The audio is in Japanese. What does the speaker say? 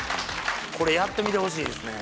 これやってみてほしいですね